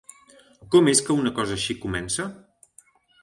Com és que una cosa així comença?